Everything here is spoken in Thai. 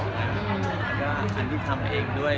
เราก็คันที่ทำเองด้วย